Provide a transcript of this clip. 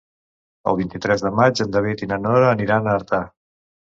El vint-i-tres de maig en David i na Nora aniran a Artà.